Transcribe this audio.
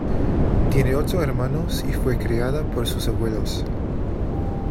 Tiene ocho hermanos y fue criada por sus abuelos.